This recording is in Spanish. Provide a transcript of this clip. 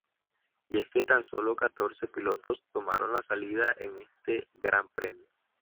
Y es que tan solo catorce pilotos tomaron la salida en este Gran Premio.